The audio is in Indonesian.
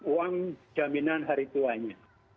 uang jaminan hari tuanya